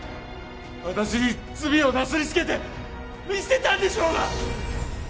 私に罪をなすりつけて見捨てたんでしょうが！